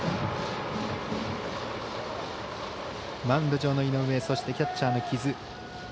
マウンド上の井上そして、キャッチャーの木津。